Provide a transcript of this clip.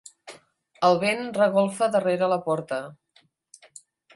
El vent regolfa darrere la porta.